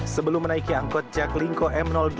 sebelum menaiki angkut jaklingko m delapan